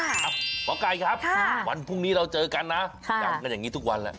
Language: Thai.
หมอไก่ครับวันพรุ่งนี้เราเจอกันนะย้ำกันอย่างนี้ทุกวันแหละ